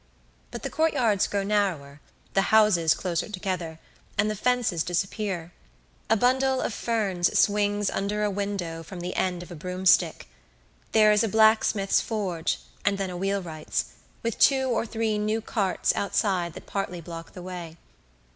But the courtyards grow narrower, the houses closer together, and the fences disappear; a bundle of ferns swings under a window from the end of a broomstick; there is a blacksmith's forge and then a wheelwright's, with two or three new carts outside that partly block the way.